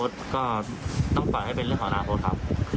ต้อง๔๒เป็นเรื่องอนาโหก้สครับ